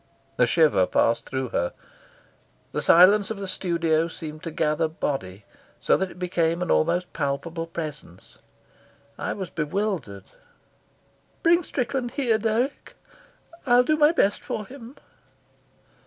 A shiver passed through her. The silence of the studio seemed to gather body, so that it became an almost palpable presence. I was bewildered. "Bring Strickland here, Dirk. I'll do my best for him."